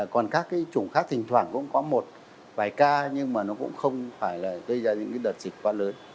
còn các cái chủng khác thỉnh thoảng cũng có một vài ca nhưng mà nó cũng không phải là gây ra những đợt dịch quá lớn